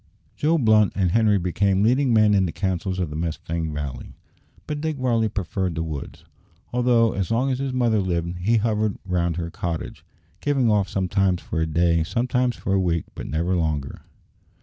Joe Blunt and Henri became leading men in the councils of the Mustang Valley; but Dick Varley preferred the woods, although, as long as his mother lived, he hovered round her cottage going off sometimes for a day, sometimes for a week, but never longer.